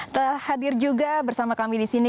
terhadir juga bersama kami di sini